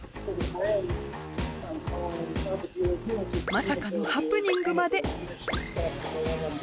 まさかのハプニングまで。